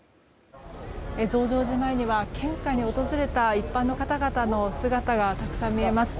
増上寺前には献花に訪れた一般の方々の姿がたくさん見えます。